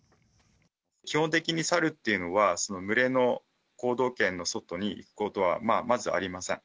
基本的に猿っていうのは、その群れの行動圏の外に行くことはまずありません。